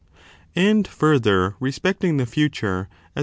^ And, further, respecting the fiiture, as also lo.